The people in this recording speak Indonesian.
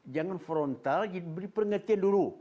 jangan frontal diberi pengertian dulu